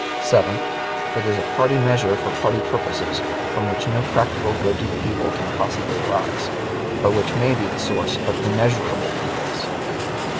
7th. It is a party measure for party purposes from which no practical good to the people can possibly arise, but which may be the source of immeasurable evils.